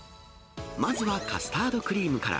まずはカスタードクリームから。